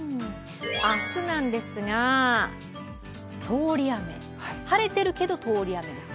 明日なんですが、晴れているけど通り雨ですか？